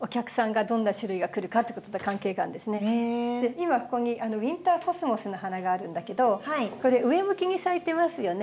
今ここにウインターコスモスの花があるんだけどこれ上向きに咲いてますよね。